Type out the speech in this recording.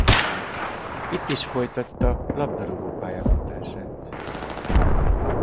Itt is folytatta labdarúgó pályafutását.